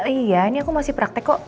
oh iya ini aku masih praktek kok